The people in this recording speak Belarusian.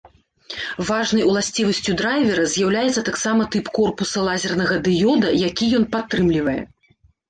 Важнай уласцівасцю драйвера з'яўляецца таксама тып корпуса лазернага дыёда, які ён падтрымлівае.